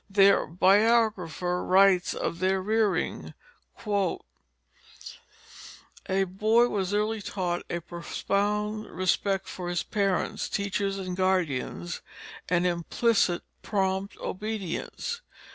Their biographer writes of their rearing: "A boy was early taught a profound respect for his parents, teachers, and guardians, and implicit prompt obedience.